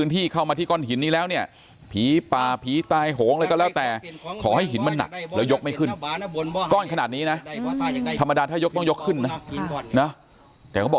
ทำพิธีใหม่นะครับ